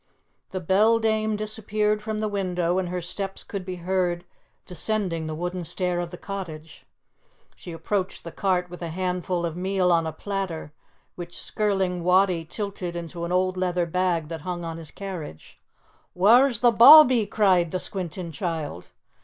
The beldame disappeared from the window, and her steps could be heard descending the wooden stair of the cottage. She approached the cart with a handful of meal on a platter which Skirling Wattie tilted into an old leather bag that hung on his carriage. "Whaur's the bawbee?" cried the squinting child.